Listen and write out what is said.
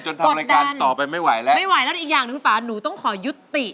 ทำรายการต่อไปไม่ไหวแล้วไม่ไหวแล้วอีกอย่างหนึ่งคุณป่าหนูต้องขอยุติ